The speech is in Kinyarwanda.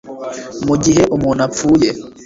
mu gihe umuntu apfuye